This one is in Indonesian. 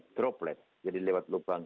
droplet jadi lewat lubang